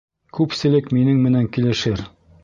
Күпселек минең менән килешер.